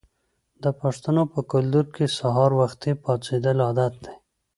د پښتنو په کلتور کې سهار وختي پاڅیدل عادت دی.